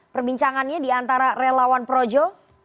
perbincangannya diantara relawan projo